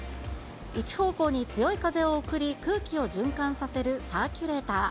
一方向に強い風を送り、空気を循環させるサーキュレーター。